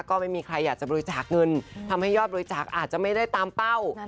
ก็ไม่มีใครอยากจะบริจาคเงินทำให้ยอดบริจาคอาจจะไม่ได้ตามเป้า